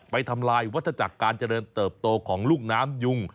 ทำลายวัฒนาจักรการเจริญเติบโตของลูกน้ำยุง